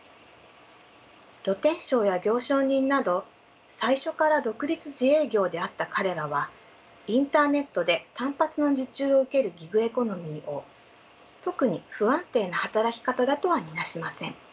露天商や行商人など最初から独立自営業であった彼らはインターネットで単発の受注を受けるギグエコノミーを特に不安定な働き方だとは見なしません。